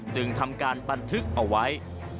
จึงทำการบันทึกเอาไว้